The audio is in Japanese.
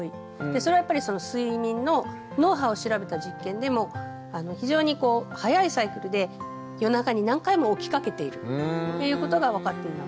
それはやっぱり睡眠の脳波を調べた実験でも非常に早いサイクルで夜中に何回も起きかけているということが分かっています。